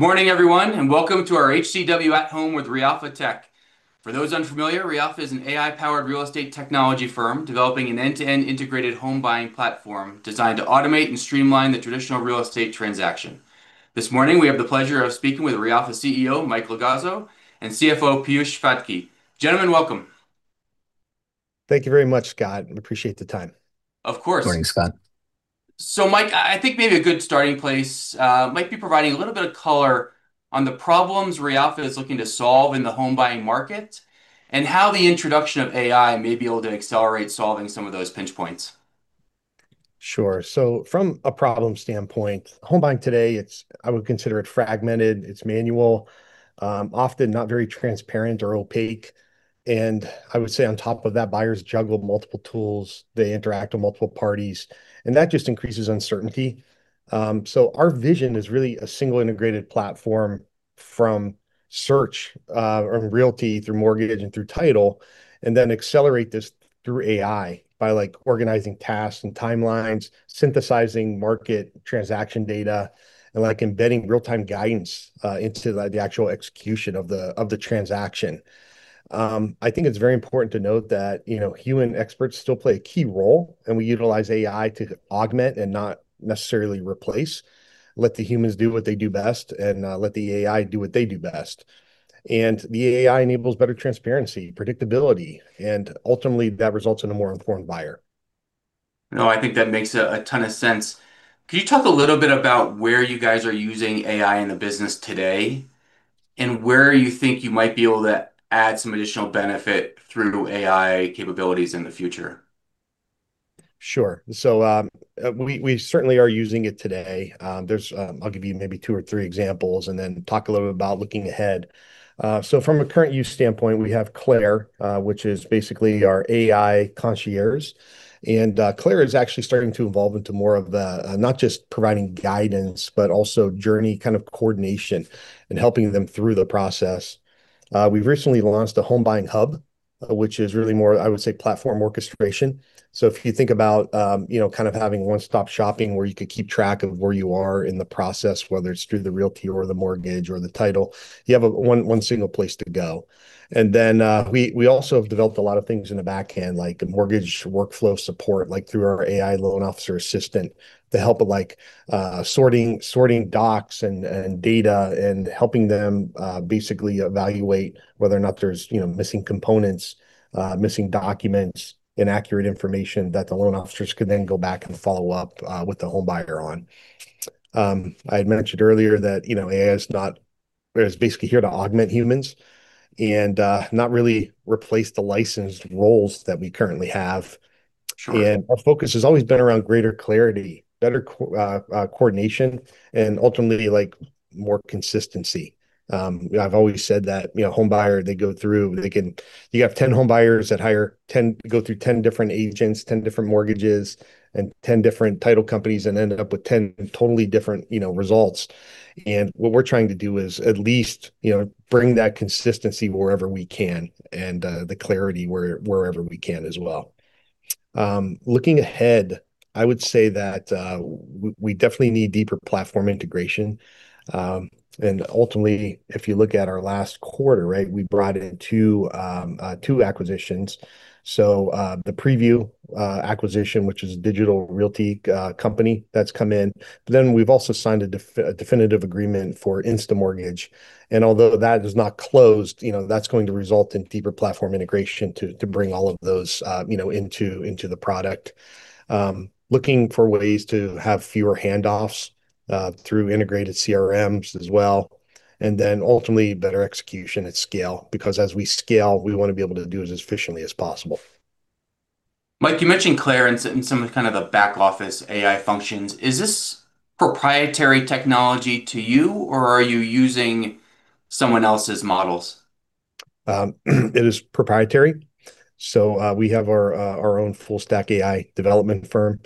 Good morning, everyone, and welcome to our HCW at Home with reAlpha Tech. For those unfamiliar, reAlpha is an AI-powered real estate technology firm developing an end-to-end integrated home buying platform designed to automate and streamline the traditional real estate transaction. This morning, we have the pleasure of speaking with reAlpha CEO, Mike Logozzo, and CFO, Piyush Phadke. Gentlemen, welcome. Thank you very much, Scott, and appreciate the time. Of course. Morning, Scott. Mike, I think maybe a good starting place might be providing a little bit of color on the problems reAlpha is looking to solve in the home buying market, and how the introduction of AI may be able to accelerate solving some of those pinch points. Sure. So from a problem standpoint, home buying today, it's I would consider it fragmented, it's manual, often not very transparent or opaque. And I would say on top of that, buyers juggle multiple tools. They interact with multiple parties, and that just increases uncertainty. So our vision is really a single integrated platform from search, and realty through mortgage and through title, and then accelerate this through AI by, like, organizing tasks and timelines, synthesizing market transaction data, and, like, embedding real-time guidance, into, like, the actual execution of the transaction. I think it's very important to note that, you know, human experts still play a key role, and we utilize AI to augment and not necessarily replace. Let the humans do what they do best, and let the AI do what they do best. The AI enables better transparency, predictability, and ultimately, that results in a more informed buyer. No, I think that makes a ton of sense. Can you talk a little bit about where you guys are using AI in the business today, and where you think you might be able to add some additional benefit through AI capabilities in the future? Sure. So, we certainly are using it today. I'll give you maybe two or three examples, and then talk a little bit about looking ahead. So from a current use standpoint, we have Claire, which is basically our AI concierge, and Claire is actually starting to evolve into more of the, not just providing guidance, but also journey kind of coordination and helping them through the process. We've recently launched a Home Buying Hub, which is really more, I would say, platform orchestration. So if you think about, you know, kind of having one-stop shopping where you could keep track of where you are in the process, whether it's through the realty or the mortgage or the title, you have a one single place to go. And then, we also have developed a lot of things in the back end, like mortgage workflow support, like through our AI loan officer assistant, to help with, like, sorting docs and data, and helping them basically evaluate whether or not there's, you know, missing components, missing documents, inaccurate information that the loan officers could then go back and follow up with the home buyer on. I had mentioned earlier that, you know, AI is not... It's basically here to augment humans and not really replace the licensed roles that we currently have. Sure. And our focus has always been around greater clarity, better coordination, and ultimately, like, more consistency. I've always said that, you know, home buyer, they go through, you have 10 home buyers that go through 10 different agents, 10 different mortgages, and 10 different title companies, and end up with 10 totally different, you know, results. And what we're trying to do is at least, you know, bring that consistency wherever we can and the clarity wherever we can as well. Looking ahead, I would say that we definitely need deeper platform integration. And ultimately, if you look at our last quarter, right, we brought in two acquisitions. So, the Prevu acquisition, which is a digital realty company that's come in, but then we've also signed a definitive agreement for InstaMortgage. And although that is not closed, you know, that's going to result in deeper platform integration to bring all of those, you know, into the product. Looking for ways to have fewer handoffs through integrated CRMs as well, and then ultimately better execution at scale, because as we scale, we want to be able to do it as efficiently as possible. Mike, you mentioned Claire and some of the kind of back office AI functions. Is this proprietary technology to you, or are you using someone else's models? It is proprietary. So, we have our own full stack AI development firm.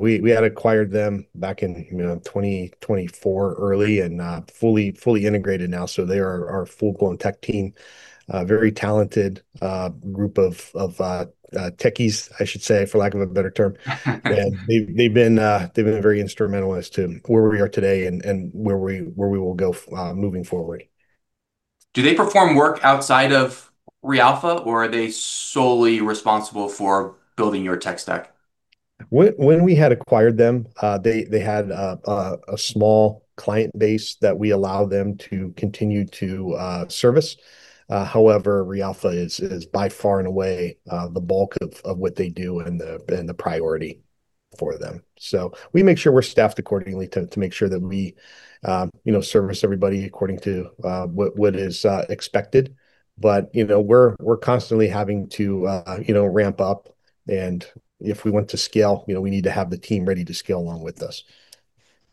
We had acquired them back in, you know, 2024 early and fully integrated now, so they are our full-blown tech team. A very talented group of techies, I should say, for lack of a better term. And they've been very instrumental as to where we are today and where we will go moving forward. Do they perform work outside of reAlpha, or are they solely responsible for building your tech stack? When we had acquired them, they had a small client base that we allow them to continue to service. However, reAlpha is by far and away the bulk of what they do and the priority for them. So we make sure we're staffed accordingly to make sure that we, you know, service everybody according to what is expected. But, you know, we're constantly having to, you know, ramp up, and if we want to scale, you know, we need to have the team ready to scale along with us.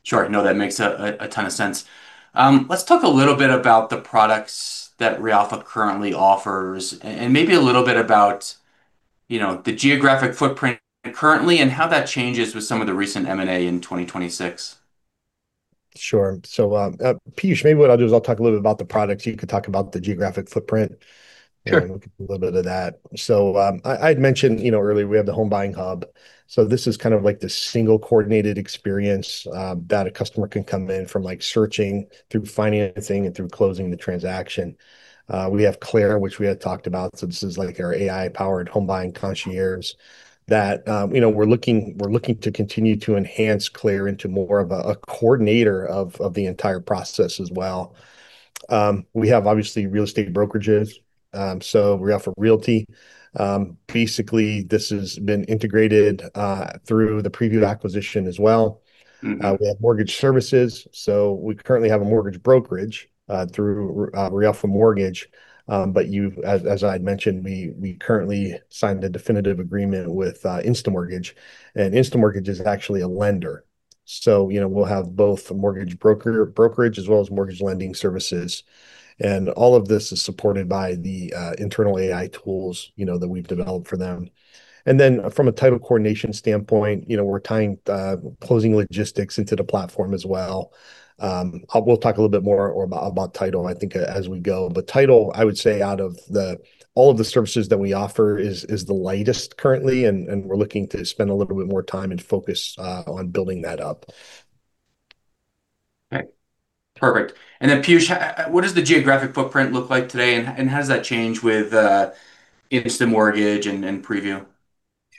Sure. No, that makes a ton of sense. Let's talk a little bit about the products that reAlpha currently offers and maybe a little bit about, you know, the geographic footprint currently, and how that changes with some of the recent M&A in 2026. Sure. So, Piyush, maybe what I'll do is I'll talk a little bit about the products, you can talk about the geographic footprint. Sure. We'll get a little bit of that. So, I'd mentioned, you know, earlier, we have the Home Buying Hub. So this is kind of like the single coordinated experience that a customer can come in from, like, searching through financing and through closing the transaction. We have Claire, which we had talked about. So this is like our AI-powered home buying concierge that, you know, we're looking, we're looking to continue to enhance Claire into more of a, a coordinator of, of the entire process as well. We have, obviously, real estate brokerages. So we offer realty. Basically, this has been integrated through the Prevu acquisition as well. We have mortgage services, so we currently have a mortgage brokerage through reAlpha Mortgage. But as I'd mentioned, we currently signed a definitive agreement with InstaMortgage, and InstaMortgage is actually a lender. So, you know, we'll have both a mortgage brokerage as well as mortgage lending services, and all of this is supported by the internal AI tools, you know, that we've developed for them. And then from a title coordination standpoint, you know, we're tying closing logistics into the platform as well. We'll talk a little bit more about title, I think, as we go. But title, I would say, out of all of the services that we offer, is the lightest currently, and we're looking to spend a little bit more time and focus on building that up. Right. Perfect. And then, Piyush, what does the geographic footprint look like today, and how does that change with InstaMortgage and Prevu?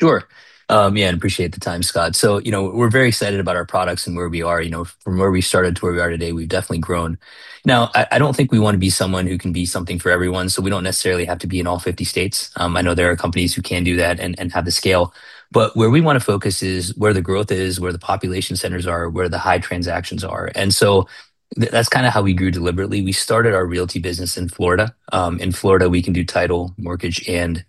Sure. Yeah, I appreciate the time, Scott. So, you know, we're very excited about our products and where we are. You know, from where we started to where we are today, we've definitely grown. Now, I don't think we want to be someone who can be something for everyone, so we don't necessarily have to be in all 50 states. I know there are companies who can do that and have the scale, but where we want to focus is where the growth is, where the population centers are, where the high transactions are, and so that's kind of how we grew deliberately. We started our realty business in Florida. In Florida, we can do title, mortgage, and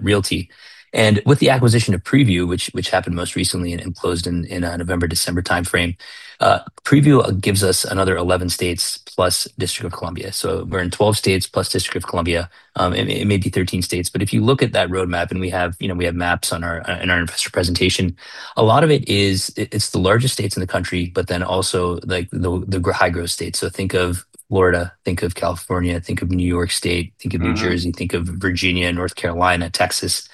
realty. And with the acquisition of Prevu, which happened most recently and closed in November, December timeframe, Prevu gives us another 11 states plus District of Columbia. So we're in 12 states, plus District of Columbia. It may be 13 states, but if you look at that roadmap, and we have... you know, we have maps in our investor presentation. A lot of it is... it's the largest states in the country, but then also, like, the high-growth states. So think of Florida, think of California, think of New York State, think of New Jersey, think of Virginia, North Carolina, Texas.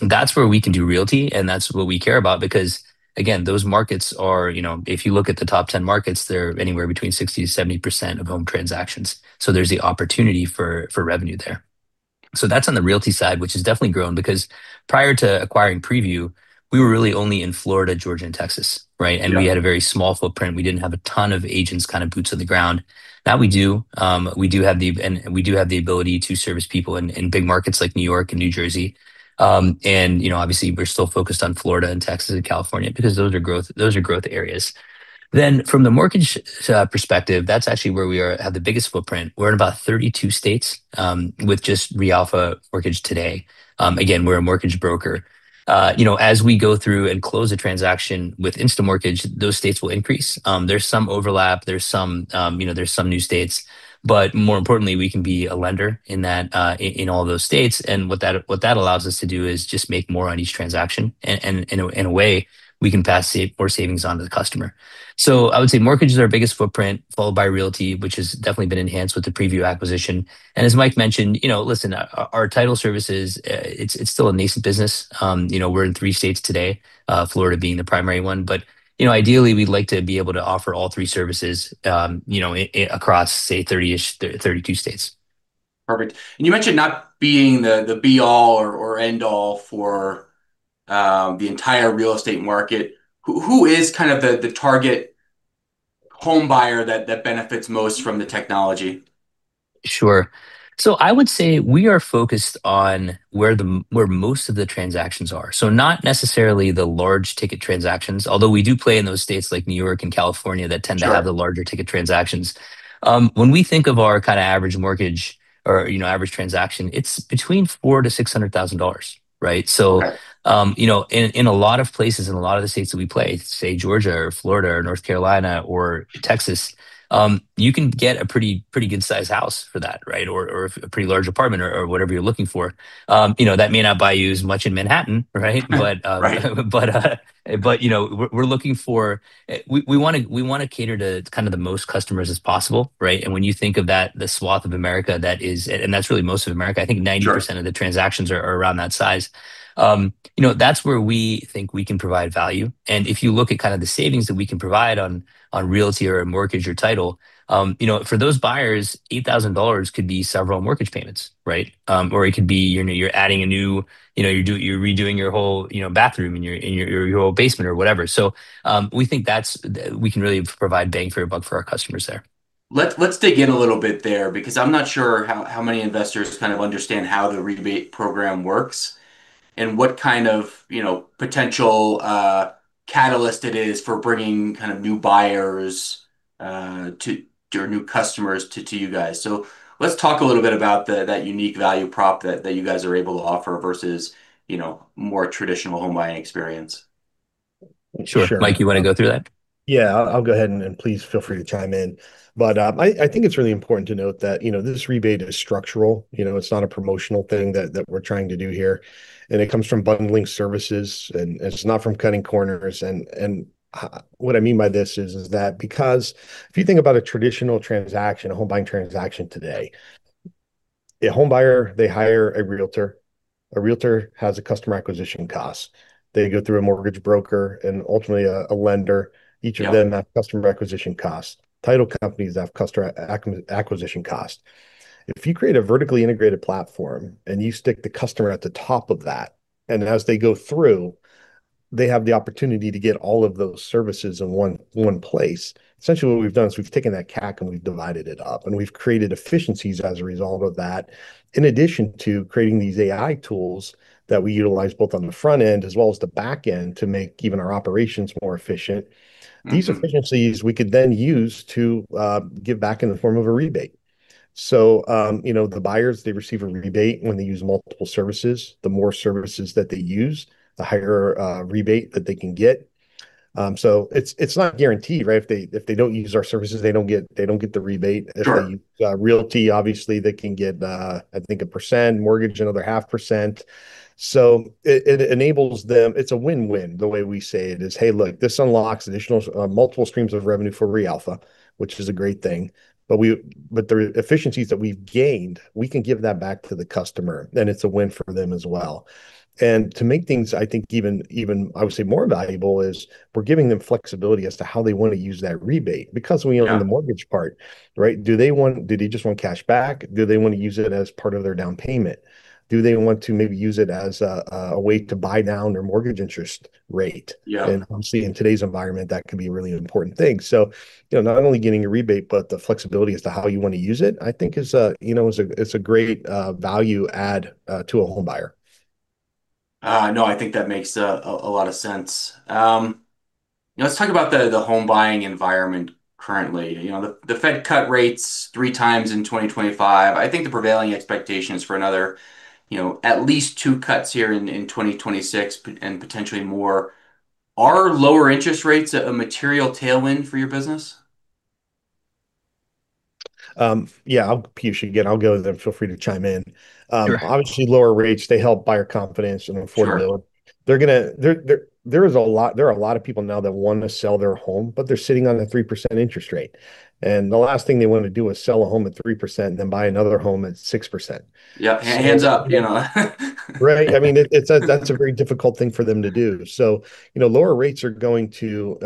That's where we can do realty, and that's what we care about. Because, again, those markets are, you know, if you look at the top 10 markets, they're anywhere between 60%-70% of home transactions. So there's the opportunity for revenue there. So that's on the realty side, which has definitely grown, because prior to acquiring Prevu, we were really only in Florida, Georgia and Texas, right? Yeah. We had a very small footprint. We didn't have a ton of agents, kind of, boots on the ground. Now we do. We do have the ability to service people in big markets like New York and New Jersey. And, you know, obviously, we're still focused on Florida and Texas and California because those are growth areas. From the mortgage perspective, that's actually where we have the biggest footprint. We're in about 32 states with just reAlpha Mortgage today. Again, we're a mortgage broker. You know, as we go through and close a transaction with InstaMortgage, those states will increase. There's some overlap, there's some, you know, there's some new states, but more importantly, we can be a lender in that, in all those states. And what that allows us to do is just make more on each transaction, and in a way, we can pass more savings on to the customer. So I would say mortgage is our biggest footprint, followed by realty, which has definitely been enhanced with the Prevu acquisition. And as Mike mentioned, you know, listen, our title services, it's still a nascent business. You know, we're in 3 states today, Florida being the primary one. But, you know, ideally, we'd like to be able to offer all three services, you know, across, say, 30-ish, 32 states. Perfect. You mentioned not being the be all or end all for the entire real estate market. Who is kind of the target home buyer that benefits most from the technology? Sure. So I would say we are focused on where most of the transactions are. So not necessarily the large ticket transactions, although we do play in those states like New York and California- Sure. That tend to have the larger ticket transactions. When we think of our kind of average mortgage or, you know, average transaction, it's between $400,000 to 600,000, right? Right. So, you know, in a lot of places, in a lot of the states that we play, say Georgia or Florida or North Carolina or Texas, you can get a pretty good sized house for that, right? Or a pretty large apartment or whatever you're looking for. You know, that may not buy you as much in Manhattan, right? Right. But you know, we're looking for... We wanna cater to kind of the most customers as possible, right? And when you think of that, the swath of America, that is... and that's really most of America. Sure. I think 90% of the transactions are around that size. You know, that's where we think we can provide value. And if you look at kind of the savings that we can provide on realty or mortgage or title, you know, for those buyers, $8,000 could be several mortgage payments, right? Or it could be, you know, you're redoing your whole bathroom and your whole basement or whatever. So, we think we can really provide bang for your buck for our customers there. Let's dig in a little bit there, because I'm not sure how many investors kind of understand how the rebate program works and what kind of, you know, potential catalyst it is for bringing kind of new buyers to, or new customers to you guys. So let's talk a little bit about that unique value prop that you guys are able to offer versus, you know, more traditional home buying experience. Sure. Sure. Mike, you wanna go through that? Yeah, I'll go ahead, and please feel free to chime in. But I think it's really important to note that, you know, this rebate is structural. You know, it's not a promotional thing that we're trying to do here, and it comes from bundling services, and what I mean by this is that because if you think about a traditional transaction, a home buying transaction today, a homebuyer, they hire a realtor. A realtor has a customer acquisition cost. They go through a mortgage broker, and ultimately, a lender. Yeah. Each of them have customer acquisition costs. Title companies have customer acquisition cost. If you create a vertically integrated platform, and you stick the customer at the top of that, and as they go through, they have the opportunity to get all of those services in one place. Essentially, what we've done is we've taken that CAC and we've divided it up, and we've created efficiencies as a result of that. In addition to creating these AI tools that we utilize, both on the front end as well as the back end, to make even our operations more efficient. These efficiencies we could then use to give back in the form of a rebate. So, you know, the buyers, they receive a rebate when they use multiple services. The more services that they use, the higher rebate that they can get. So it's not guaranteed, right? If they don't use our services, they don't get the rebate. Sure. If they use realty, obviously, they can get, I think, 1%; mortgage, another 0.5%. So it enables them. It's a win-win. The way we say it is, "Hey, look, this unlocks additional multiple streams of revenue for reAlpha," which is a great thing. But the efficiencies that we've gained, we can give that back to the customer, then it's a win for them as well. And to make things, I think, even, even, I would say, more valuable is we're giving them flexibility as to how they want to use that rebate. Yeah. Because we own the mortgage part, right? Do they want- do they just want cash back? Do they want to use it as part of their down payment? Do they want to maybe use it as a, a way to buy down their mortgage interest rate? Yeah. Obviously, in today's environment, that can be a really important thing. So, you know, not only getting a rebate, but the flexibility as to how you want to use it, I think is, you know, is a, it's a great value add to a homebuyer. No, I think that makes a lot of sense. Let's talk about the home buying environment currently. You know, the Fed cut rates 3 times in 2025. I think the prevailing expectation is for another, you know, at least 2 cuts here in 2026 and potentially more. Are lower interest rates a material tailwind for your business? Yeah, I'll... Piyush, again, I'll go, then feel free to chime in. Sure. Obviously, lower rates, they help buyer confidence and affordability. Sure. There are a lot of people now that want to sell their home, but they're sitting on a 3% interest rate, and the last thing they want to do is sell a home at 3% and then buy another home at 6%. Yeah, hands up, you know. Right. I mean, it's a very difficult thing for them to do. So, you know, lower rates are going to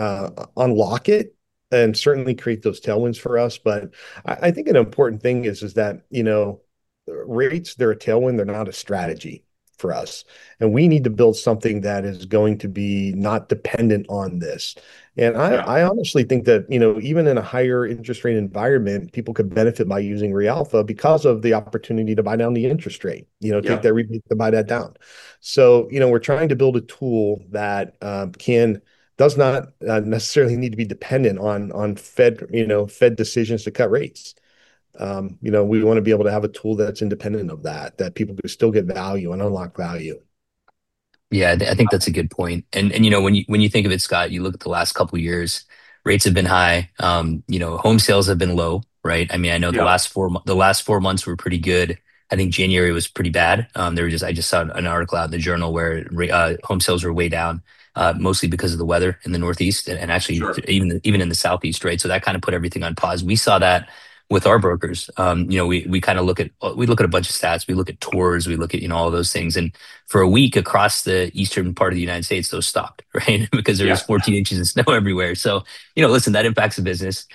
unlock it and certainly create those tailwinds for us. But I think an important thing is that, you know, rates, they're a tailwind, they're not a strategy for us, and we need to build something that is going to be not dependent on this. Yeah. I honestly think that, you know, even in a higher interest rate environment, people could benefit by using reAlpha because of the opportunity to buy down the interest rate. Yeah. You know, take that rebate to buy that down. So, you know, we're trying to build a tool that does not necessarily need to be dependent on Fed, you know, Fed decisions to cut rates. You know, we want to be able to have a tool that's independent of that, that people can still get value and unlock value. Yeah, I think that's a good point. You know, when you, when you think of it, Scott, you look at the last couple of years, rates have been high. You know, home sales have been low, right? Yeah. I mean, I know the last four months were pretty good. I think January was pretty bad. There was just... I just saw an article out in the Journal where home sales were way down, mostly because of the weather in the Northeast- Sure. Actually, even in the Southeast, right? So that kind of put everything on pause. We saw that with our brokers. You know, we kind of look at a bunch of stats, we look at tours, we look at, you know, all those things. And for a week, across the eastern part of the United States, those stopped, right? Yeah. Because there was 14 inches of snow everywhere. So, you know, listen, that impacts the business.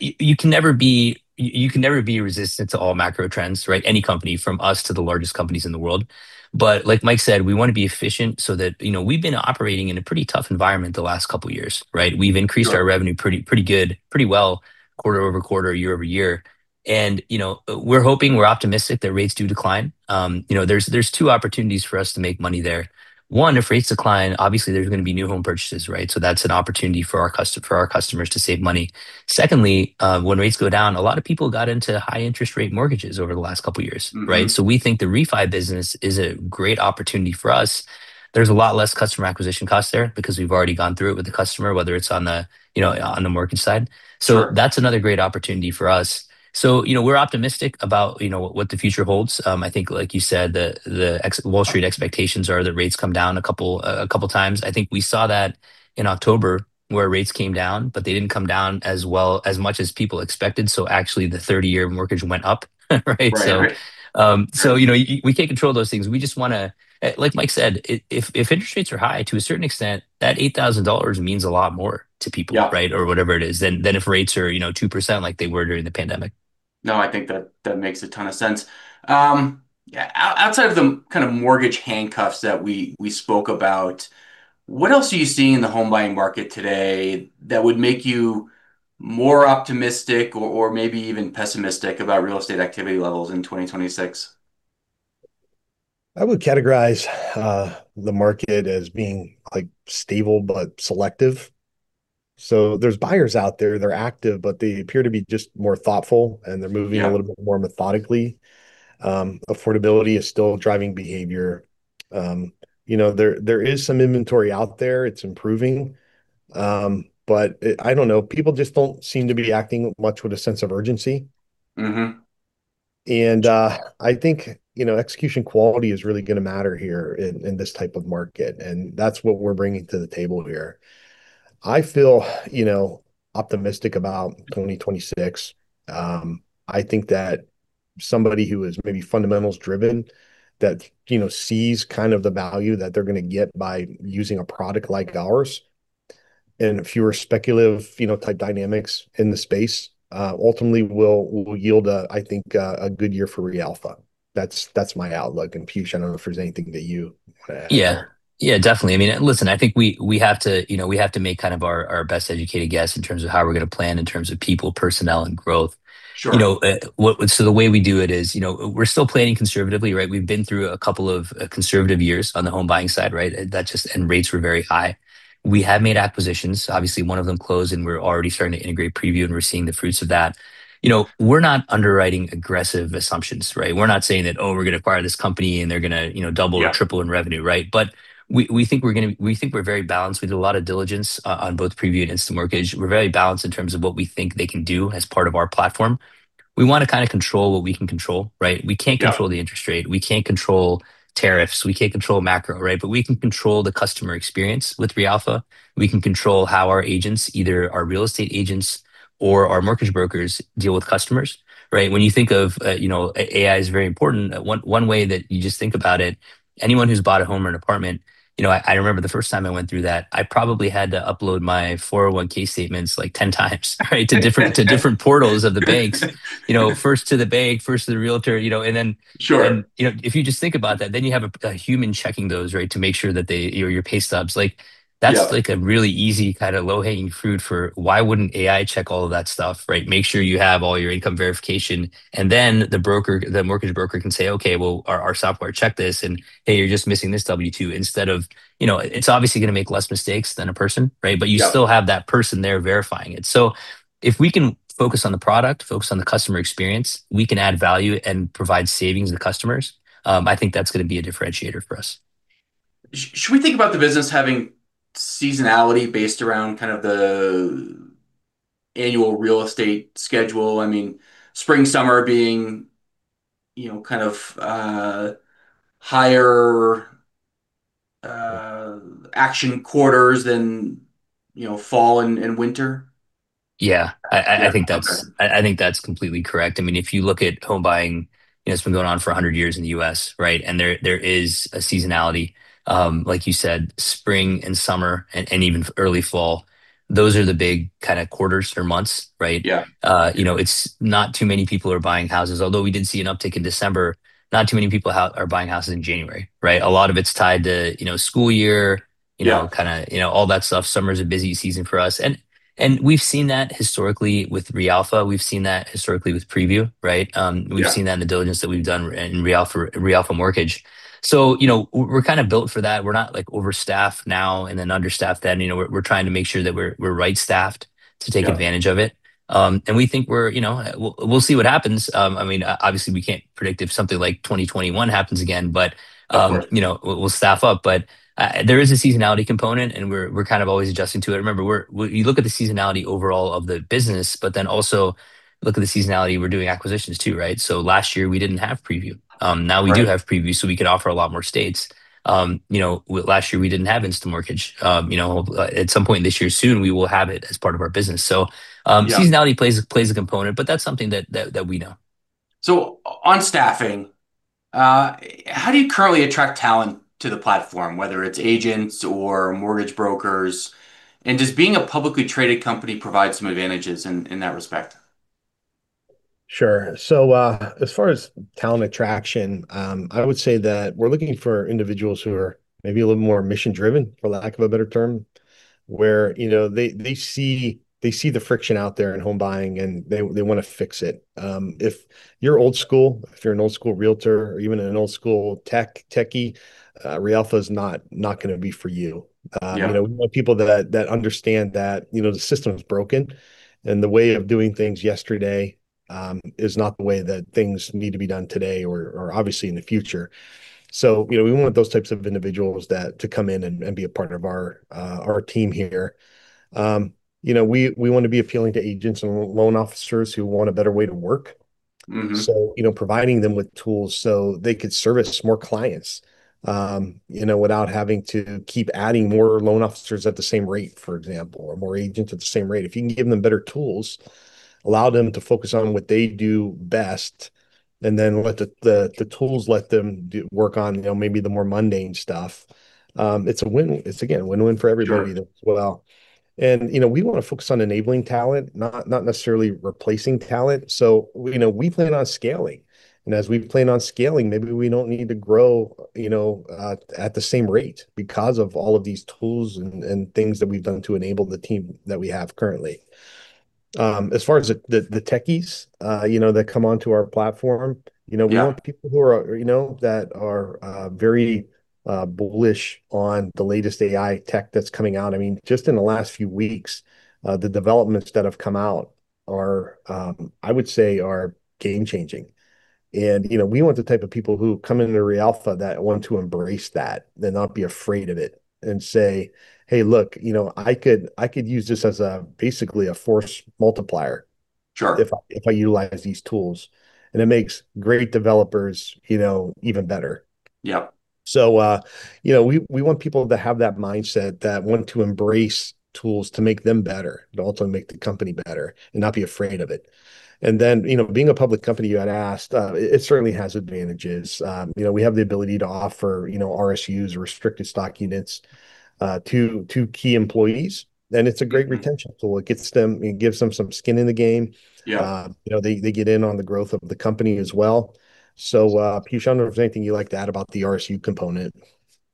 You can never be, you can never be resistant to all macro trends, right? Any company, from us to the largest companies in the world. But like Mike said, we want to be efficient so that... You know, we've been operating in a pretty tough environment the last couple of years, right? Sure. We've increased our revenue pretty, pretty good, pretty well, quarter over quarter, year over year. And, you know, we're hoping, we're optimistic that rates do decline. You know, there's two opportunities for us to make money there. One, if rates decline, obviously, there's going to be new home purchases, right? So that's an opportunity for our customers to save money. Secondly, when rates go down, a lot of people got into high interest rate mortgages over the last couple of years. Right? So we think the refi business is a great opportunity for us. There's a lot less customer acquisition cost there because we've already gone through it with the customer, whether it's on the, you know, on the mortgage side. Sure. So that's another great opportunity for us. So, you know, we're optimistic about, you know, what the future holds. I think, like you said, the ex-wall Street expectations are that rates come down a couple times. I think we saw that in October, where rates came down, but they didn't come down as well, as much as people expected, so actually, the 30-year mortgage went up, right? Right. So, you know, we can't control those things. We just wanna... Like Mike said, if interest rates are high, to a certain extent, that $8,000 means a lot more to people- Yeah. Right? Or whatever it is, than if rates are, you know, 2%, like they were during the pandemic. No, I think that makes a ton of sense. Yeah, outside of the kind of mortgage handcuffs that we spoke about, what else are you seeing in the home buying market today that would make you more optimistic or maybe even pessimistic about real estate activity levels in 2026? I would categorize the market as being, like, stable, but selective. So there's buyers out there, they're active, but they appear to be just more thoughtful, and they're- Yeah. Moving a little bit more methodically. Affordability is still driving behavior. You know, there is some inventory out there, it's improving. But, I don't know, people just don't seem to be acting much with a sense of urgency. I think, you know, execution quality is really gonna matter here in this type of market, and that's what we're bringing to the table here. I feel, you know, optimistic about 2026. I think that somebody who is maybe fundamentals driven, that, you know, sees kind of the value that they're gonna get by using a product like ours, and fewer speculative, you know, type dynamics in the space, ultimately will yield a, I think, a good year for reAlpha. That's my outlook. And Piyush, I don't know if there's anything that you wanna add. Yeah. Yeah, definitely. I mean, listen, I think we, we have to, you know, we have to make kind of our, our best educated guess in terms of how we're gonna plan in terms of people, personnel, and growth. Sure. You know, so the way we do it is, you know, we're still planning conservatively, right? We've been through a couple of, conservative years on the home buying side, right? That just... And rates were very high. We have made acquisitions, obviously, one of them closed, and we're already starting to integrate Prevu, and we're seeing the fruits of that. You know, we're not underwriting aggressive assumptions, right? We're not saying that, "Oh, we're gonna acquire this company, and they're gonna, you know- Yeah. Double or triple in revenue," right? But we think we're gonna. We think we're very balanced. We do a lot of diligence on both Prevu and InstaMortgage. We're very balanced in terms of what we think they can do as part of our platform. We wanna kinda control what we can control, right? Yeah. We can't control the interest rate, we can't control tariffs, we can't control macro, right? But we can control the customer experience with reAlpha. We can control how our agents, either our real estate agents or our mortgage brokers, deal with customers, right? When you think of, you know, AI is very important. One way that you just think about it, anyone who's bought a home or an apartment, you know, I remember the first time I went through that, I probably had to upload my 401(k) statements, like, 10 times, right? To different portals of the banks. You know, first to the bank, first to the realtor, you know, and then- Sure. And, you know, if you just think about that, then you have a human checking those, right? To make sure that they... your pay stubs. Like- Yeah. That's, like, a really easy, kind of low-hanging fruit for why wouldn't AI check all of that stuff, right? Make sure you have all your income verification, and then the broker, the mortgage broker can say, "Okay, well, our, our software checked this," and, "Hey, you're just missing this W-2," instead of... You know, it's obviously gonna make less mistakes than a person, right? Yeah. But you still have that person there verifying it. So if we can focus on the product, focus on the customer experience, we can add value and provide savings to customers, I think that's gonna be a differentiator for us. Should we think about the business having seasonality based around kind of the annual real estate schedule? I mean, spring/summer being, you know, kind of higher action quarters than, you know, fall and, and winter? Yeah. Yeah. I think that's completely correct. I mean, if you look at home buying, you know, it's been going on for 100 years in the U.S., right? And there is a seasonality. Like you said, spring and summer, and even early fall, those are the big kind of quarters or months, right? Yeah. You know, it's not too many people are buying houses. Although we did see an uptick in December, not too many people are buying houses in January, right? A lot of it's tied to, you know, school year- Yeah. You know, kind of, you know, all that stuff. Summer is a busy season for us, and we've seen that historically with reAlpha. We've seen that historically with Prevu, right? Yeah. We've seen that in the diligence that we've done in reAlpha, reAlpha Mortgage. So, you know, we're kind of built for that. We're not, like, overstaffed now, and then understaffed then. You know, we're trying to make sure that we're right staffed- Yeah. To take advantage of it. And we think we're, you know, we'll see what happens. I mean, obviously, we can't predict if something like 2021 happens again, but, Of course. You know, we'll staff up. But there is a seasonality component, and we're kind of always adjusting to it. Remember, we're... you look at the seasonality overall of the business, but then also look at the seasonality. We're doing acquisitions, too, right? So last year we didn't have Prevu. Now we do- Right. Have Prevu, so we could offer a lot more states. You know, last year we didn't have InstaMortgage. You know, at some point this year, soon, we will have it as part of our business. So, Yeah. Seasonality plays a component, but that's something that we know. So on staffing, how do you currently attract talent to the platform, whether it's agents or mortgage brokers? And does being a publicly traded company provide some advantages in that respect? Sure. So, as far as talent attraction, I would say that we're looking for individuals who are maybe a little more mission-driven, for lack of a better term, where, you know, they see the friction out there in home buying, and they wanna fix it. If you're old school, if you're an old-school realtor or even an old-school tech techie, reAlpha is not gonna be for you. Yeah. You know, we want people that understand that, you know, the system is broken, and the way of doing things yesterday is not the way that things need to be done today or obviously in the future. So, you know, we want those types of individuals to come in and be a part of our team here. You know, we want to be appealing to agents and loan officers who want a better way to work. So, you know, providing them with tools so they could service more clients, without having to keep adding more loan officers at the same rate, for example, or more agents at the same rate. If you can give them better tools, allow them to focus on what they do best, and then let the tools let them work on, you know, maybe the more mundane stuff, it's a win-win. It's, again, a win-win for everybody. Sure As well. And, you know, we wanna focus on enabling talent, not necessarily replacing talent. So, you know, we plan on scaling, and as we plan on scaling, maybe we don't need to grow, you know, at the same rate because of all of these tools and things that we've done to enable the team that we have currently. As far as the techies, you know, that come onto our platform- Yeah You know, we want people who are, you know, that are, very, bullish on the latest AI tech that's coming out. I mean, just in the last few weeks, the developments that have come out are, I would say, are game-changing. And, you know, we want the type of people who come into reAlpha that want to embrace that than not be afraid of it and say, "Hey, look, you know, I could, I could use this as a, basically, a force multiplier."... if I, if I utilize these tools. And it makes great developers, you know, even better. Yep. So, you know, we want people to have that mindset, that want to embrace tools to make them better, but also make the company better, and not be afraid of it. And then, you know, being a public company, you had asked, it certainly has advantages. You know, we have the ability to offer, you know, RSUs, restricted stock units, to key employees, and it's a great retention tool. It gets them, it gives them some skin in the game. Yeah. You know, they get in on the growth of the company as well. So, Piyush, I don't know if there's anything you'd like to add about the RSU component?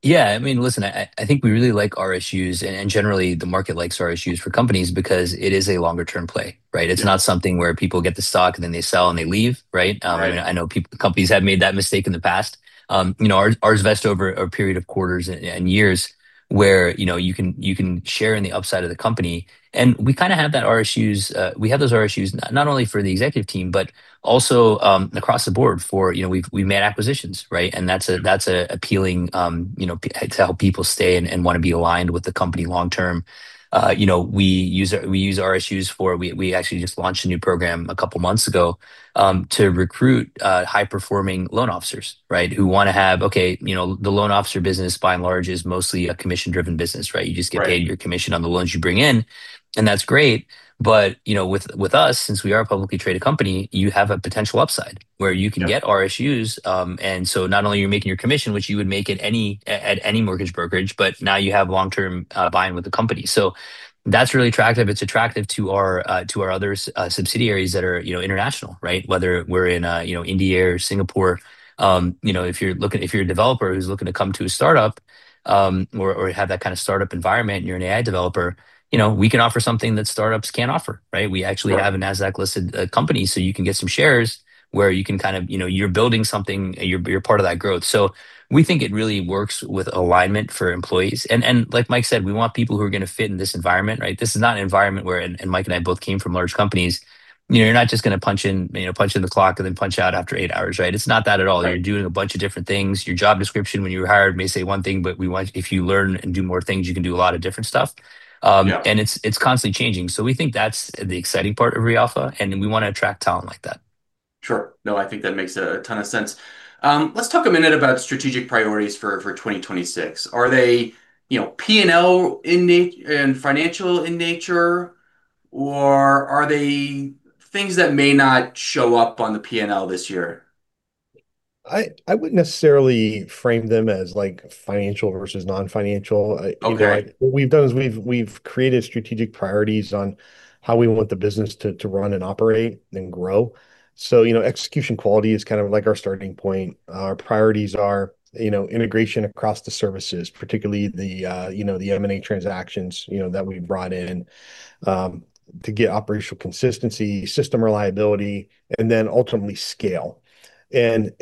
Yeah, I mean, listen, I think we really like RSUs, and generally the market likes RSUs for companies because it is a longer term play, right? Yeah. It's not something where people get the stock and then they sell and they leave, right? Right. I know companies have made that mistake in the past. You know, RSUs vest over a period of quarters and years, where you can share in the upside of the company. And we kind of have that RSUs, we have those RSUs not only for the executive team, but also across the board, you know, we've made acquisitions, right? Yeah. That's appealing, you know, to help people stay and wanna be aligned with the company long term. You know, we use RSUs for... We actually just launched a new program a couple months ago to recruit high-performing loan officers, right? Who wanna have, okay, you know, the loan officer business by and large is mostly a commission-driven business, right? Right. You just get paid your commission on the loans you bring in, and that's great, but, you know, with us, since we are a publicly traded company, you have a potential upside- Yeah. Where you can get RSUs. And so not only are you making your commission, which you would make at any mortgage brokerage, but now you have long-term buy-in with the company. So that's really attractive. It's attractive to our other subsidiaries that are, you know, international, right? Whether we're in, you know, India or Singapore, if you're a developer who's looking to come to a startup, or have that kind of startup environment, and you're an AI developer, you know, we can offer something that startups can't offer, right? Right. We actually have a Nasdaq-listed company, so you can get some shares where you can kind of... You know, you're building something, and you're part of that growth. So we think it really works with alignment for employees. And like Mike said, we want people who are gonna fit in this environment, right? This is not an environment where... And Mike and I both came from large companies, you know, you're not just gonna punch in, you know, punch in the clock and then punch out after eight hours, right? It's not that at all. Right. You're doing a bunch of different things. Your job description when you were hired may say one thing, but we want... If you learn and do more things, you can do a lot of different stuff. Yeah. And it's constantly changing, so we think that's the exciting part of reAlpha, and we wanna attract talent like that. Sure. No, I think that makes a ton of sense. Let's talk a minute about strategic priorities for 2026. Are they, you know, P&L in nature, in financial in nature, or are they things that may not show up on the P&L this year? I wouldn't necessarily frame them as, like, financial versus non-financial. Okay. What we've done is we've created strategic priorities on how we want the business to run and operate and grow. So, you know, execution quality is kind of like our starting point. Our priorities are, you know, integration across the services, particularly the, you know, the M&A transactions, you know, that we've brought in to get operational consistency, system reliability, and then ultimately scale. And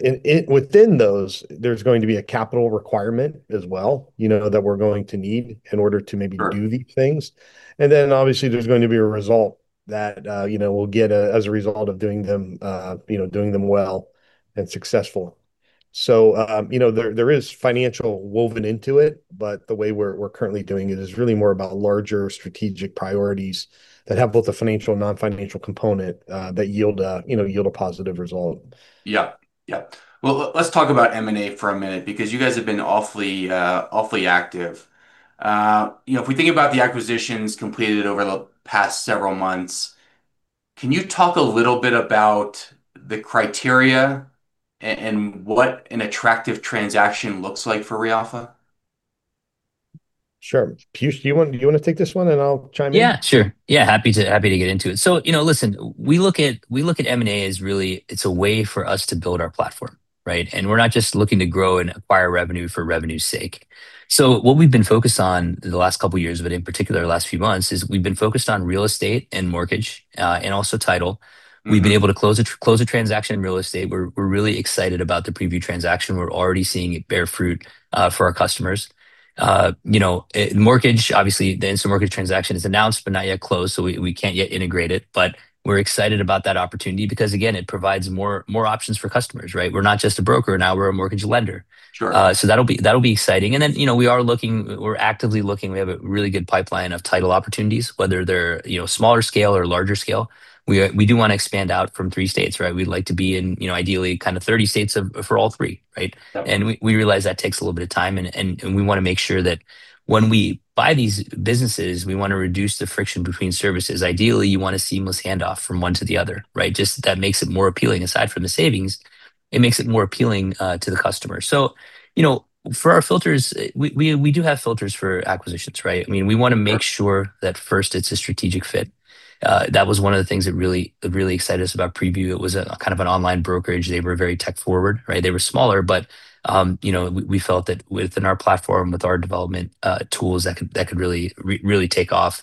within those, there's going to be a capital requirement as well, you know, that we're going to need in order to maybe- Sure Do these things. Then obviously, there's going to be a result that, you know, we'll get as a result of doing them, you know, doing them well and successful. So, you know, there is financial woven into it, but the way we're currently doing it is really more about larger strategic priorities that have both a financial and non-financial component, that yield, you know, a positive result. Yeah. Yep. Well, let's talk about M&A for a minute, because you guys have been awfully, awfully active. You know, if we think about the acquisitions completed over the past several months, can you talk a little bit about the criteria and what an attractive transaction looks like for reAlpha? Sure. Piyush, do you want, do you wanna take this one, and I'll chime in? Yeah, sure. Yeah, happy to, happy to get into it. So, you know, listen, we look at, we look at M&A as really, it's a way for us to build our platform, right? And we're not just looking to grow and acquire revenue for revenue's sake. So what we've been focused on the last couple of years, but in particular the last few months, is we've been focused on real estate and mortgage, and also title. We've been able to close a, close a transaction in real estate. We're really excited about the Prevu transaction. We're already seeing it bear fruit for our customers. You know, mortgage, obviously, the InstaMortgage transaction is announced but not yet closed, so we can't yet integrate it. But we're excited about that opportunity because, again, it provides more, more options for customers, right? We're not just a broker now, we're a mortgage lender. Sure. So that'll be exciting. And then, you know, we are looking, we're actively looking, we have a really good pipeline of title opportunities, whether they're, you know, smaller scale or larger scale. We do wanna expand out from three states, right? We'd like to be in, you know, ideally, kind of 30 states for all three, right? Yeah. And we realize that takes a little bit of time, and we wanna make sure that when we buy these businesses, we wanna reduce the friction between services. Ideally, you want a seamless handoff from one to the other, right? Just that makes it more appealing, aside from the savings, it makes it more appealing to the customer. So, you know, for our filters, we do have filters for acquisitions, right? I mean, we wanna- Sure Make sure that first it's a strategic fit. That was one of the things that really, really excited us about Prevu. It was kind of an online brokerage. They were very tech-forward, right? They were smaller, but, you know, we felt that within our platform, with our development tools, that could really take off.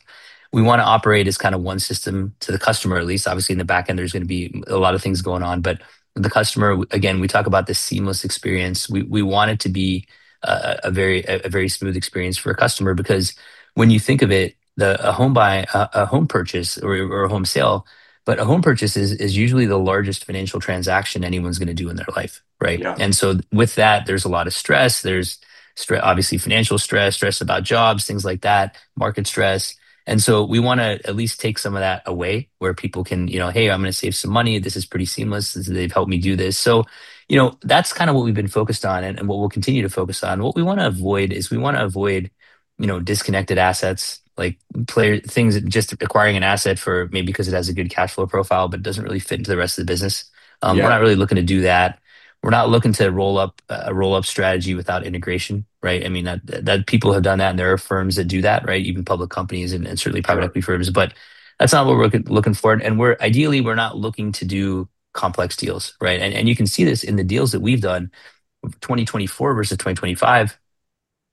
We wanna operate as kind of one system to the customer, at least. Obviously, in the back end, there's gonna be a lot of things going on, but the customer, again, we talk about the seamless experience. We want it to be a very smooth experience for a customer, because when you think of it, the, a home purchase or a home sale, but a home purchase is usually the largest financial transaction anyone's gonna do in their life, right? Yeah. And so with that, there's a lot of stress. There's obviously financial stress, stress about jobs, things like that, market stress. And so we wanna at least take some of that away, where people can, you know, "Hey, I'm gonna save some money. This is pretty seamless, they've helped me do this." So, you know, that's kind of what we've been focused on and, and what we'll continue to focus on. What we wanna avoid is, we wanna avoid, you know, disconnected assets, like things that, just acquiring an asset for maybe because it has a good cash flow profile but doesn't really fit into the rest of the business. Yeah. We're not really looking to do that. We're not looking to roll up a roll-up strategy without integration, right? I mean, that people have done that, and there are firms that do that, right? Even public companies and certainly- Yeah Private firms. But that's not what we're looking for. And ideally, we're not looking to do complex deals, right? And you can see this in the deals that we've done, 2024 versus 2025.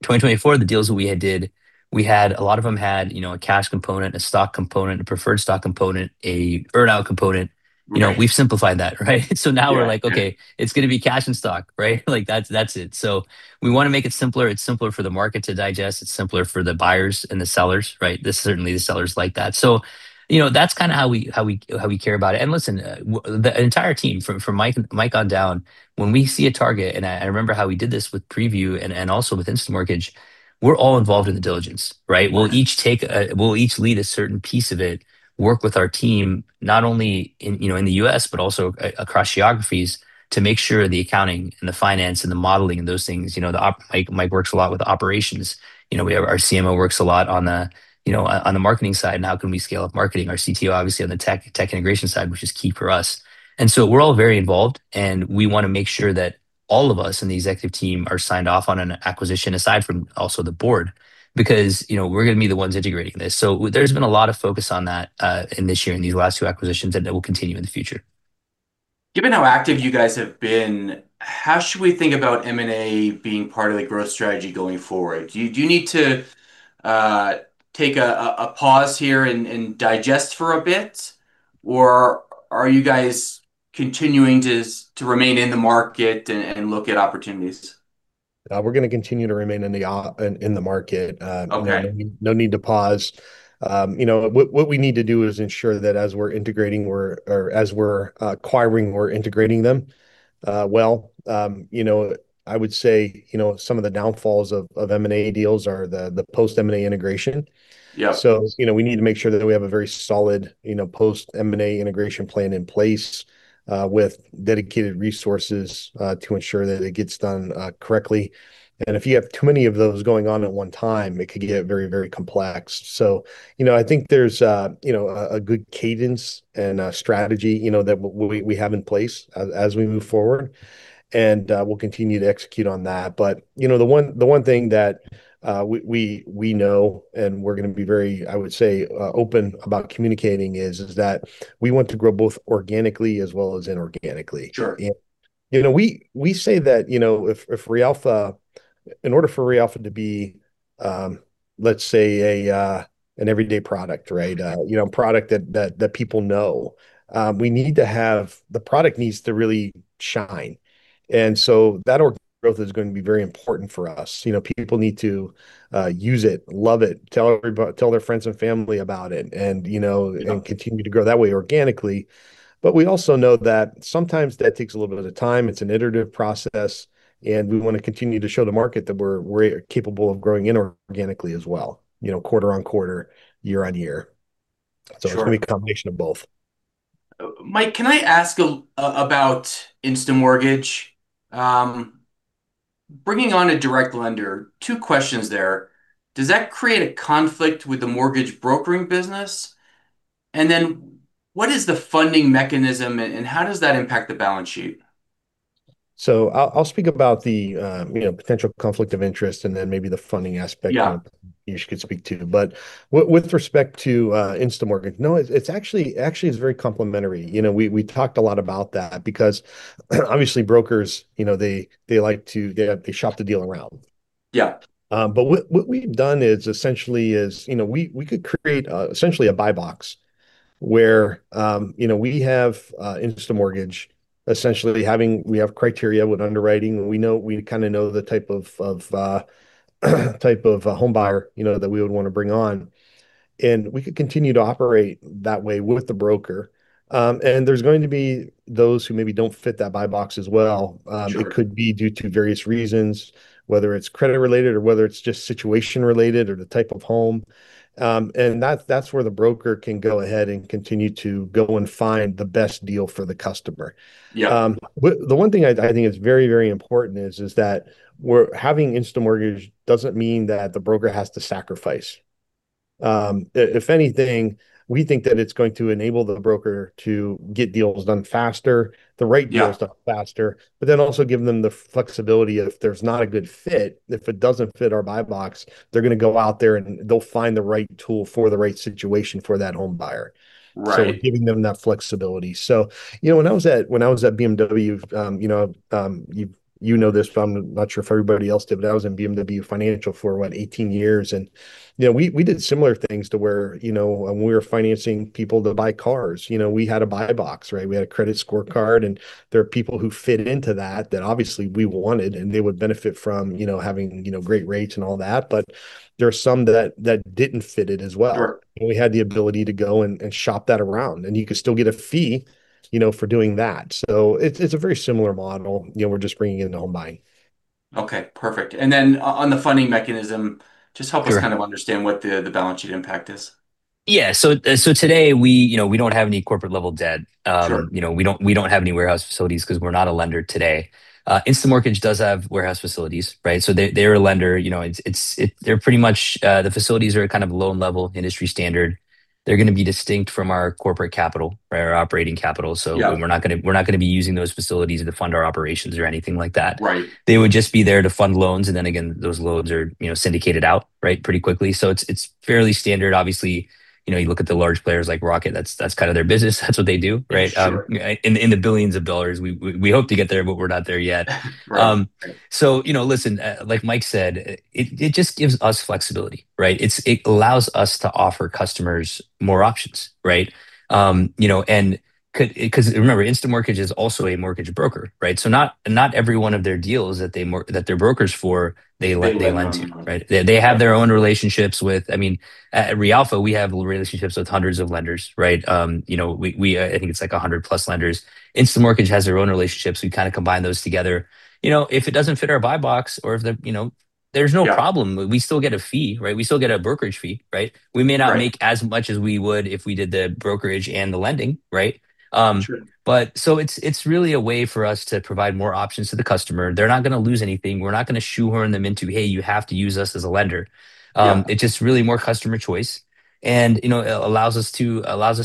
2024, the deals that we had done, we had a lot of them had, you know, a cash component, a stock component, a preferred stock component, an earn-out component. Right. You know, we've simplified that, right? So now we're like- Yeah, yeah. Okay, it's gonna be cash and stock, right? Like, that's, that's it. So we wanna make it simpler. It's simpler for the market to digest. It's simpler for the buyers and the sellers, right? This, certainly, the sellers like that. So, you know, that's kinda how we care about it. And listen, the entire team, from Mike on down, when we see a target, and I remember how we did this with Prevu and also with InstaMortgage, we're all involved in the diligence, right? Yeah. We'll each take a, we'll each lead a certain piece of it, work with our team, not only in, you know, in the U.S., but also across geographies, to make sure the accounting and the finance and the modeling and those things. You know, Mike, Mike works a lot with operations. You know, we have our CMO works a lot on the, you know, on, on the marketing side, and how can we scale up marketing? Our CTO, obviously, on the tech, tech integration side, which is key for us. And so we're all very involved, and we wanna make sure that all of us in the executive team are signed off on an acquisition, aside from also the board. Because, you know, we're gonna be the ones integrating this. There's been a lot of focus on that in this year, in these last two acquisitions, and that will continue in the future. Given how active you guys have been, how should we think about M&A being part of the growth strategy going forward? Do you need to take a pause here and digest for a bit, or are you guys continuing to remain in the market and look at opportunities? We're gonna continue to remain in the market. Okay. No need, no need to pause. You know, what, what we need to do is ensure that as we're integrating or as we're acquiring, we're integrating them well. You know, I would say, you know, some of the downfalls of M&A deals are the post-M&A integration. Yeah. So, you know, we need to make sure that we have a very solid, you know, post-M&A integration plan in place, with dedicated resources, to ensure that it gets done, correctly. If you have too many of those going on at one time, it could get very, very complex. So, you know, I think there's, you know, a good cadence and, strategy, you know, that we have in place as we move forward. We'll continue to execute on that. But, you know, the one thing that, we know, and we're gonna be very, I would say, open about communicating, is that we want to grow both organically as well as inorganically. Sure. You know, we say that, you know, if reAlpha... in order for reAlpha to be, let's say, an everyday product, right? You know, a product that people know, we need to have—the product needs to really shine. And so that organic growth is gonna be very important for us. You know, people need to use it, love it, tell their friends and family about it, and, you know— Yeah. And continue to grow that way organically. But we also know that sometimes that takes a little bit of time. It's an iterative process, and we wanna continue to show the market that we're capable of growing inorganically as well, you know, quarter-on-quarter, year-on-year. Sure. It's gonna be a combination of both. Mike, can I ask about InstaMortgage? Bringing on a direct lender, two questions there: Does that create a conflict with the mortgage brokering business? And then, what is the funding mechanism, and how does that impact the balance sheet? So I'll speak about the, you know, potential conflict of interest, and then maybe the funding aspect. Yeah. Piyush could speak to. But with respect to InstaMortgage, no, it's actually very complementary. You know, we talked a lot about that because, obviously, brokers, you know, they like to... They shop the deal around. Yeah. But what we've done is essentially, you know, we could create essentially a buy box, where, you know, we have InstaMortgage—we have criteria with underwriting, and we kinda know the type of a homebuyer, you know, that we would wanna bring on. We could continue to operate that way with the broker. And there's going to be those who maybe don't fit that buy box as well. Sure. It could be due to various reasons, whether it's credit-related or whether it's just situation-related or the type of home. And that, that's where the broker can go ahead and continue to go and find the best deal for the customer. Yeah. The one thing I think is very, very important is that we're having InstaMortgage doesn't mean that the broker has to sacrifice. If anything, we think that it's going to enable the broker to get deals done faster, the right deals- Yeah. Done faster, but then also giving them the flexibility, if there's not a good fit, if it doesn't fit our buy box, they're gonna go out there, and they'll find the right tool for the right situation for that homebuyer. Right. So giving them that flexibility. So, you know, when I was at, when I was at BMW, you know, you know this, but I'm not sure if everybody else did, but I was in BMW Financial for, what, 18 years. And, you know, we did similar things to where, you know, we were financing people to buy cars. You know, we had a buy box, right? We had a credit scorecard, and there are people who fit into that, that obviously we wanted, and they would benefit from, you know, having, you know, great rates and all that, but there are some that, that didn't fit it as well. Sure. We had the ability to go and shop that around, and you could still get a fee, you know, for doing that. So it's a very similar model. You know, we're just bringing it into home buying. Okay, perfect. And then on the funding mechanism, just help us- Sure. kind of understand what the balance sheet impact is? Yeah. So today we, you know, we don't have any corporate level debt. Sure. You know, we don't, we don't have any warehouse facilities because we're not a lender today. InstaMortgage does have warehouse facilities, right? So they, they're a lender, you know, it's, it's they're pretty much, the facilities are a kind of low-level industry standard. They're gonna be distinct from our corporate capital or our operating capital. Yeah. So we're not gonna be using those facilities to fund our operations or anything like that. Right. They would just be there to fund loans, and then again, those loans are, you know, syndicated out, right, pretty quickly. So it's, it's fairly standard. Obviously, you know, you look at the large players like Rocket, that's, that's kind of their business. That's what they do, right? Sure. In the billions of dollars. We hope to get there, but we're not there yet. Right. So, you know, listen, like Mike said, it just gives us flexibility, right? It allows us to offer customers more options, right? You know, and 'cause remember, InstaMortgage is also a mortgage broker, right? So not every one of their deals that they're brokers for, they lend- They lend too. Right. They have their own relationships with... I mean, at reAlpha, we have relationships with hundreds of lenders, right? You know, we, we I think it's like 100+ lenders. InstaMortgage has their own relationships. We kind of combine those together. You know, if it doesn't fit our buy box or if the, you know, there's no problem- Yeah. We still get a fee, right? We still get a brokerage fee, right? Right. We may not make as much as we would if we did the brokerage and the lending, right? Sure. It's really a way for us to provide more options to the customer. They're not gonna lose anything. We're not gonna shoehorn them into, "Hey, you have to use us as a lender. Yeah. It's just really more customer choice and, you know, allows us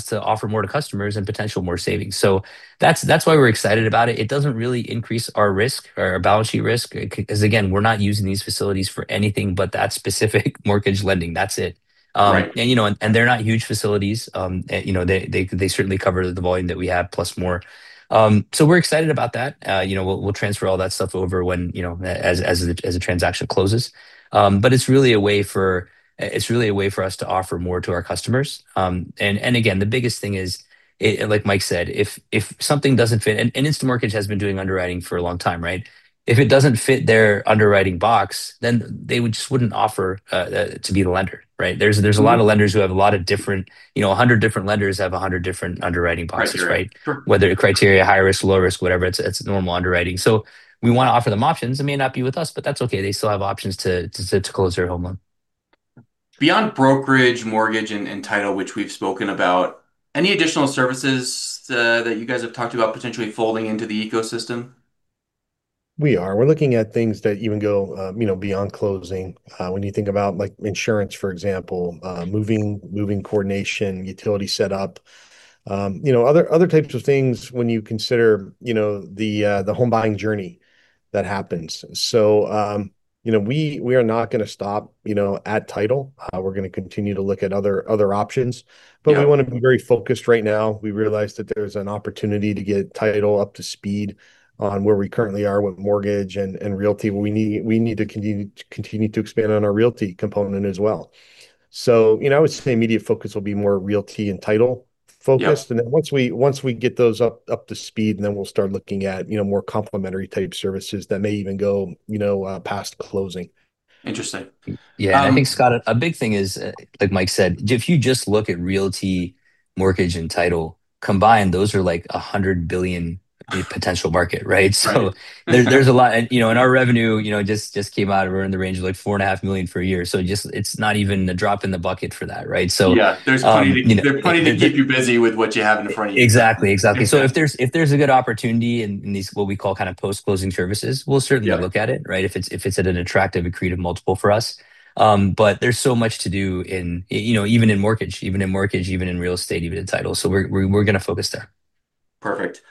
to offer more to customers and potential more savings. So that's why we're excited about it. It doesn't really increase our risk or our balance sheet risk, 'cause again, we're not using these facilities for anything but that specific mortgage lending. That's it. Right. You know, they're not huge facilities. They certainly cover the volume that we have, plus more. So we're excited about that. You know, we'll transfer all that stuff over when, you know, as the transaction closes. But it's really a way for us to offer more to our customers. Again, the biggest thing is, like Mike said, if something doesn't fit, and InstaMortgage has been doing underwriting for a long time, right? If it doesn't fit their underwriting box, then they would just wouldn't offer to be the lender, right? There's a lot of lenders who have a lot of different, you know, 100 different lenders have 100 different underwriting boxes, right? Sure. Whether the criteria, high risk, low risk, whatever, it's normal underwriting. So we want to offer them options. It may not be with us, but that's okay. They still have options to close their home loan. Beyond brokerage, mortgage, and title, which we've spoken about, any additional services that you guys have talked about potentially folding into the ecosystem? We are. We're looking at things that even go, you know, beyond closing. When you think about, like, insurance, for example, moving coordination, utility setup, you know, other types of things when you consider, you know, the home buying journey that happens. So, you know, we are not gonna stop, you know, at title. We're gonna continue to look at other options. Yeah. But we want to be very focused right now. We realize that there's an opportunity to get title up to speed on where we currently are with mortgage and realty. We need to continue to expand on our realty component as well. So, you know, I would say immediate focus will be more realty and title focused. Yeah. Then once we get those up to speed, and then we'll start looking at, you know, more complementary-type services that may even go, you know, past closing. Interesting. Yeah. I think, Scott, a big thing is, like Mike said, if you just look at realty, mortgage, and title combined, those are like a $100 billion potential market, right? Right. So there's a lot. And, you know, and our revenue, you know, just came out. We're in the range of, like, $4.5 million per year. So just, it's not even a drop in the bucket for that, right? So- Yeah. You know- There's plenty, there's plenty to keep you busy with what you have in front of you. Exactly. Exactly. Sure. So if there's a good opportunity in these, what we call kind of post-closing services, we'll certainly- Yeah. Look at it, right? If it's at an attractive accretive multiple for us. But there's so much to do in, you know, even in mortgage, even in mortgage, even in real estate, even in title. So we're gonna focus there. Perfect.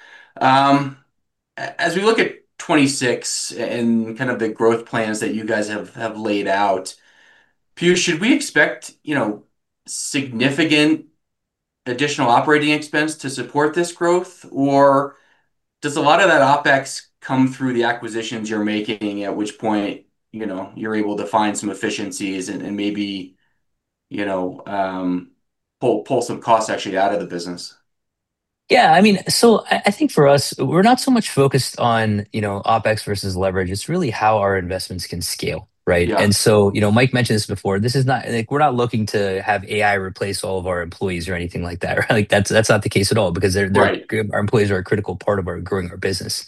As we look at 2026 and kind of the growth plans that you guys have laid out, Piyush, should we expect, you know, significant additional operating expense to support this growth? Or does a lot of that OpEx come through the acquisitions you're making, at which point, you know, you're able to find some efficiencies and maybe, you know, pull some costs actually out of the business? Yeah, I mean, so I think for us, we're not so much focused on, you know, OpEx versus leverage. It's really how our investments can scale, right? Yeah. So, you know, Mike mentioned this before. This is not like we're not looking to have AI replace all of our employees or anything like that, right? Like, that's not the case at all, because they're- Right. Our employees are a critical part of our growing our business.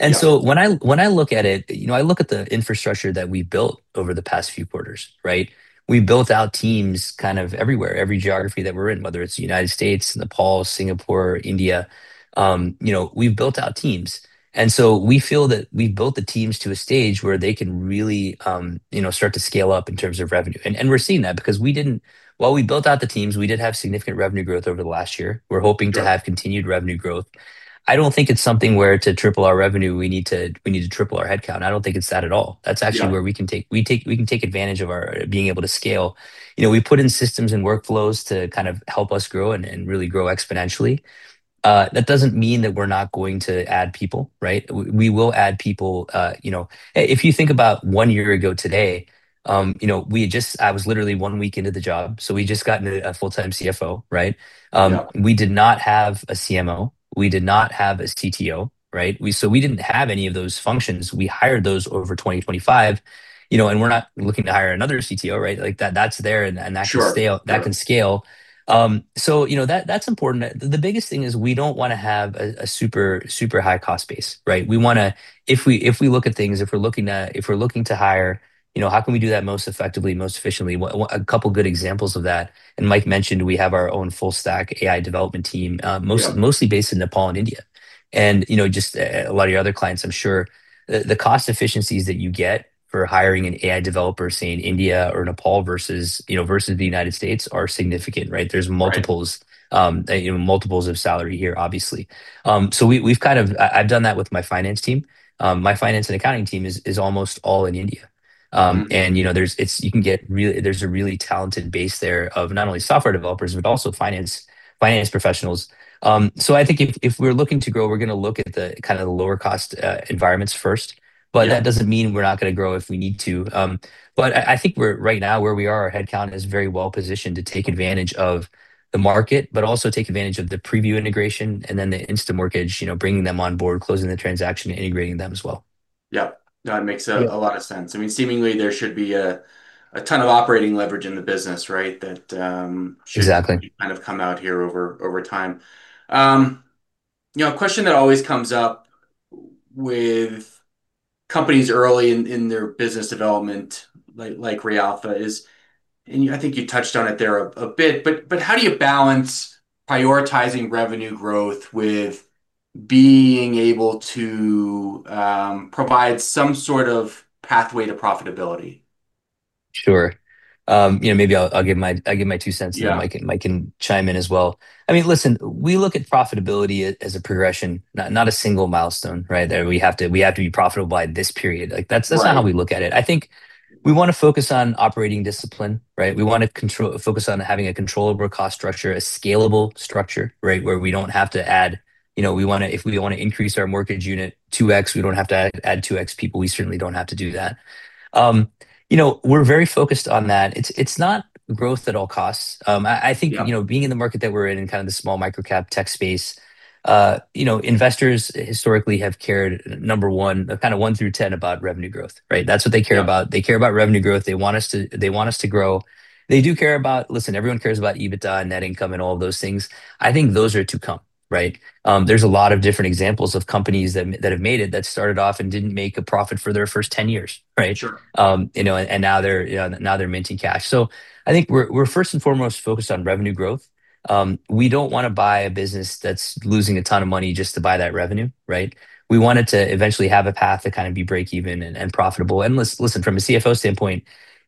Yeah. And so when I look at it, you know, I look at the infrastructure that we've built over the past few quarters, right? We've built out teams kind of everywhere, every geography that we're in, whether it's the United States, Nepal, Singapore, India, you know, we've built out teams. And so we feel that we've built the teams to a stage where they can really, you know, start to scale up in terms of revenue. And we're seeing that because while we built out the teams, we did have significant revenue growth over the last year. Yeah. We're hoping to have continued revenue growth. I don't think it's something where to triple our revenue, we need to, we need to triple our headcount. I don't think it's that at all. Yeah. That's actually where we can take advantage of our being able to scale. You know, we've put in systems and workflows to kind of help us grow and really grow exponentially. That doesn't mean that we're not going to add people, right? We will add people, you know. If you think about one year ago today, you know, we had just—I was literally one week into the job, so we just gotten a full-time CFO, right? Yeah. We did not have a CMO. We did not have a CTO, right? So we didn't have any of those functions. We hired those over 2025, you know, and we're not looking to hire another CTO, right? Like, that, that's there, and, and that can scale- Sure, sure. That can scale. So, you know, that, that's important. The biggest thing is we don't wanna have a super, super high-cost base, right? We wanna. If we look at things, if we're looking to hire, you know, how can we do that most effectively, most efficiently? What... A couple good examples of that, and Mike mentioned, we have our own full-stack AI development team, mostly- Yeah. Mostly based in Nepal and India. And, you know, just a lot of your other clients, I'm sure, the cost efficiencies that you get for hiring an AI developer, say, in India or Nepal versus, you know, versus the United States, are significant, right? Right. There's multiples, you know, multiples of salary here, obviously. We've kind of... I've done that with my finance team. My finance and accounting team is almost all in India. And, you know, there's a really talented base there of not only software developers, but also finance, finance professionals. So I think if we're looking to grow, we're gonna look at the kind of the lower cost environments first. Yeah. But that doesn't mean we're not gonna grow if we need to. I think, right now, where we are, our headcount is very well positioned to take advantage of the market, but also take advantage of the Prevu integration and then the InstaMortgage, you know, bringing them on board, closing the transaction, integrating them as well. Yep. No, it makes a lot of sense. I mean, seemingly there should be a ton of operating leverage in the business, right? That- Exactly. Kind of come out here over time. You know, a question that always comes up with companies early in their business development, like reAlpha is, and I think you touched on it there a bit, but how do you balance prioritizing revenue growth with being able to provide some sort of pathway to profitability? Sure. You know, maybe I'll give my two cents- Yeah. Mike can chime in as well. I mean, listen, we look at profitability as a progression, not a single milestone, right? That we have to be profitable by this period. Like, that's- Right. That's not how we look at it. I think we want to focus on operating discipline, right? We want to control... focus on having a controllable cost structure, a scalable structure, right? Where we don't have to add... You know, we wanna—if we want to increase our mortgage unit 2x, we don't have to add, add 2x people. We certainly don't have to do that. You know, we're very focused on that. It's, it's not growth at all costs. I think- Yeah. You know, being in the market that we're in and kind of the small microcap tech space, you know, investors historically have cared, number one, kind of one through ten about revenue growth, right? That's what they care about. Yeah. They care about revenue growth. They want us to, they want us to grow. They do care about... Listen, everyone cares about EBITDA and net income, and all of those things. I think those are to come, right? There's a lot of different examples of companies that that have made it, that started off and didn't make a profit for their first 10 years, right? Sure. You know, and now they're minting cash. So I think we're first and foremost focused on revenue growth. We don't want to buy a business that's losing a ton of money just to buy that revenue, right? We want it to eventually have a path to kind of be break even and profitable. And listen, from a CFO standpoint,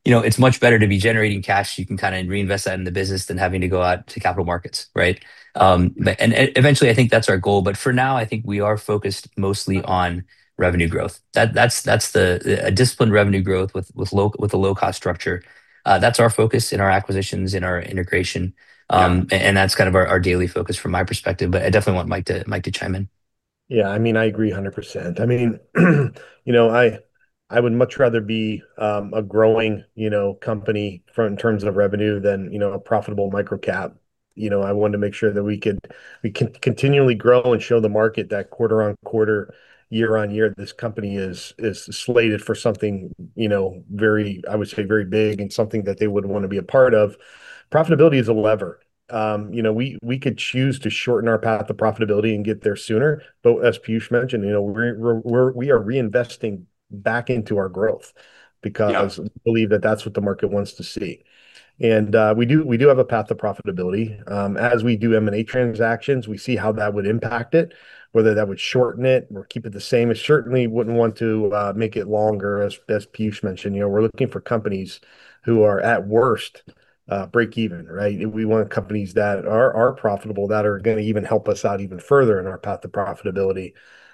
you know, it's much better to be generating cash. You can kind of reinvest that in the business than having to go out to capital markets, right? But eventually, I think that's our goal, but for now, I think we are focused mostly on revenue growth. That's the disciplined revenue growth with a low cost structure. That's our focus in our acquisitions, in our integration. Yeah. That's kind of our daily focus from my perspective, but I definitely want Mike to chime in. Yeah, I mean, I agree 100%. I mean, you know, I would much rather be a growing, you know, company from—in terms of revenue than, you know, a profitable microcap. You know, I wanted to make sure that we could, we can continually grow and show the market that quarter-on-quarter, year-on-year, this company is slated for something, you know, very... I would say, very big and something that they would want to be a part of. Profitability is a lever. You know, we could choose to shorten our path to profitability and get there sooner, but as Piyush mentioned, you know, we're—we are reinvesting back into our growth- Yeah. Because we believe that that's what the market wants to see. And we do, we do have a path to profitability. As we do M&A transactions, we see how that would impact it, whether that would shorten it or keep it the same. It certainly wouldn't want to make it longer, as Piyush mentioned. You know, we're looking for companies who are, at worst, break even, right? We want companies that are profitable, that are gonna even help us out even further in our path to profitability.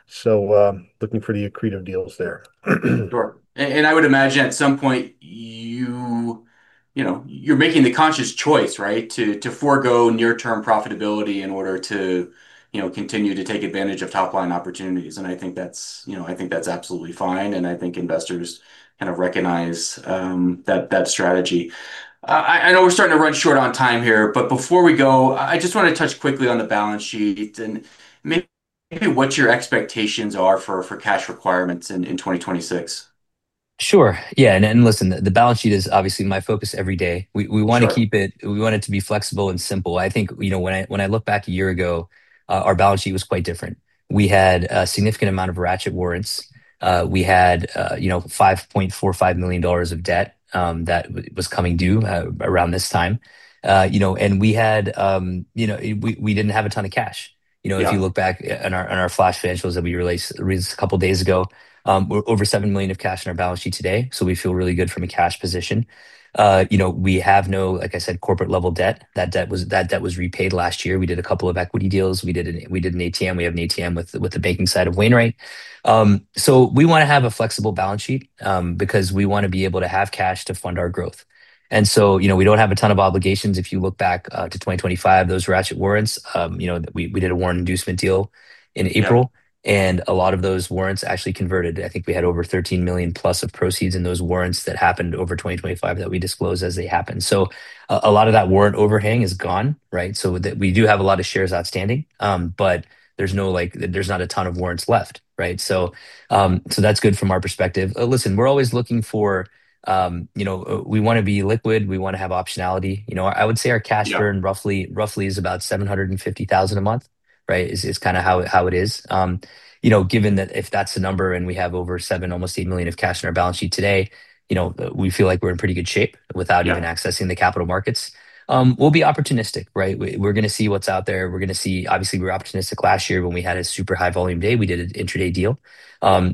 So, looking for the accretive deals there. Sure. And I would imagine at some point you, you know, you're making the conscious choice, right? To, to forgo near-term profitability in order to, you know, continue to take advantage of top-line opportunities, and I think that's, you know, I think that's absolutely fine, and I think investors kind of recognize that, that strategy. I know we're starting to run short on time here, but before we go, I just want to touch quickly on the balance sheet and maybe what your expectations are for, for cash requirements in 2026. Sure. Yeah, and listen, the balance sheet is obviously my focus every day. Sure. We want to keep it. We want it to be flexible and simple. I think, you know, when I look back a year ago, our balance sheet was quite different. We had a significant amount of ratchet warrants. We had, you know, $5.45 million of debt, that was coming due, around this time. You know, and we had, you know, we didn't have a ton of cash. Yeah. You know, if you look back on our flash financials that we released a couple days ago, we're over $7 million of cash in our balance sheet today, so we feel really good from a cash position. You know, we have no, like I said, corporate level debt. That debt was repaid last year. We did a couple of equity deals. We did an ATM. We have an ATM with the banking side of Wainwright. So we want to have a flexible balance sheet, because we want to be able to have cash to fund our growth. And so, you know, we don't have a ton of obligations. If you look back to 2025, those ratchet warrants, you know, we did a warrant inducement deal in April- Yeah And a lot of those warrants actually converted. I think we had over $13 million plus of proceeds in those warrants that happened over 2025 that we disclosed as they happened. So a lot of that warrant overhang is gone, right? So with that, we do have a lot of shares outstanding, but there's no, like... There's not a ton of warrants left, right? So, so that's good from our perspective. Listen, we're always looking for, you know, we want to be liquid, we want to have optionality. You know, I would say our cash burn- Yeah. Roughly is about $750,000 a month, right? Is kind of how it is. You know, given that if that's the number and we have over $7 million, almost $8 million of cash on our balance sheet today, you know, we feel like we're in pretty good shape- Yeah. Without even accessing the capital markets. We'll be opportunistic, right? We're gonna see what's out there. We're gonna see... Obviously, we were opportunistic last year when we had a super high volume day. We did an intraday deal.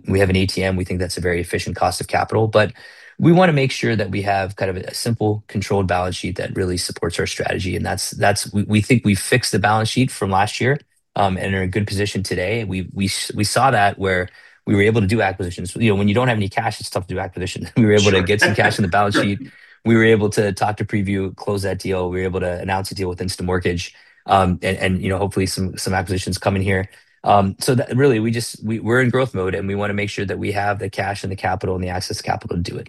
We have an ATM. We think that's a very efficient cost of capital, but we want to make sure that we have kind of a simple, controlled balance sheet that really supports our strategy, and that's. We think we've fixed the balance sheet from last year, and are in a good position today. We saw that where we were able to do acquisitions. You know, when you don't have any cash, it's tough to do acquisitions. Sure. We were able to get some cash in the balance sheet. We were able to talk to Prevu, close that deal. We were able to announce the deal with InstaMortgage, and, you know, hopefully some acquisitions coming here. So that... Really, we just, we, we're in growth mode, and we want to make sure that we have the cash and the capital and the access to capital to do it.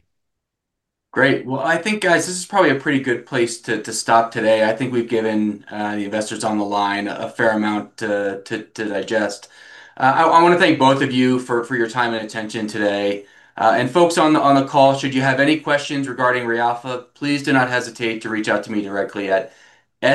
Great. Well, I think, guys, this is probably a pretty good place to stop today. I think we've given the investors on the line a fair amount to digest. I want to thank both of you for your time and attention today. And folks on the call, should you have any questions regarding reAlpha, please do not hesitate to reach out to me directly at.